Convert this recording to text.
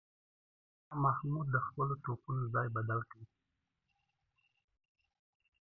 شاه محمود د خپلو توپونو ځای بدل کړ.